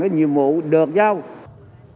cái nhiệm vụ được giải quyết